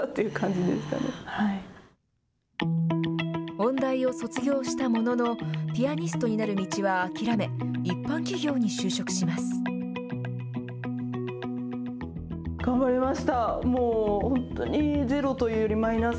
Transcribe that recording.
音大を卒業したものの、ピアニストになる道は諦め、一般企業に就職します。